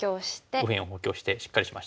右辺を補強してしっかりしましたね。